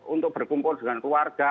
untuk berkumpul dengan keluarga